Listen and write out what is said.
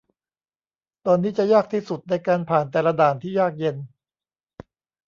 ตอนนี้จะยากที่สุดในการผ่านแต่ละด่านที่ยากเย็น